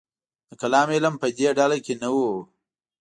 د کلام علم په دې ډله کې نه و.